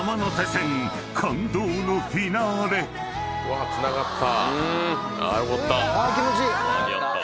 ［この後］うわつながった。